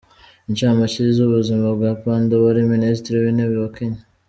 Incamake y’ubuzima bwa Panda wari Minisitiri w’Intebe wa kenya